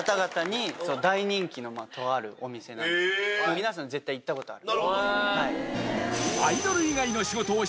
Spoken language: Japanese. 皆さん絶対行ったことある。